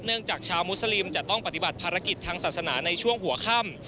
จากชาวมุสลิมจะต้องปฏิบัติภารกิจทางศาสนาในช่วงหัวค่ำ